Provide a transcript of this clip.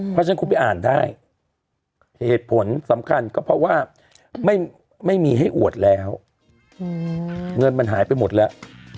เพราะฉะนั้นคุณไปอ่านได้เหตุผลสำคัญก็เพราะว่าไม่มีให้อวดแล้วเงินมันหายไปหมดแล้ว